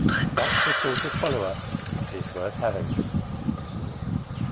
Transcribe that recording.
That's the sort of follower that is worth having!